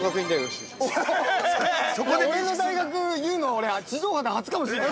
◆俺の大学の言うの、俺地上波で初かもしれない。